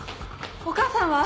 お母さんは？